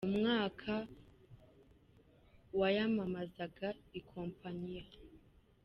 Mu Mwaka wa yamamazaga ikompanyi ya .